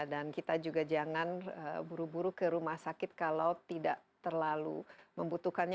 kita juga jangan buru buru ke rumah sakit kalau tidak terlalu membutuhkannya